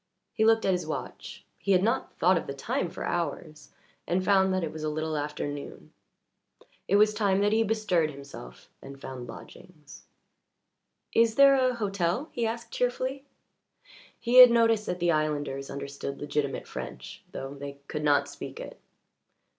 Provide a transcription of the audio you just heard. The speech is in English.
He looked at his watch he had not thought of the time for hours and found that it was a little after noon. It was time that he bestirred himself and found lodgings. "Is there a hotel?" he asked cheerfully. He had noticed that the islanders understood legitimate French, though they could not speak it.